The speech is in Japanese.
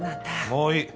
もういい。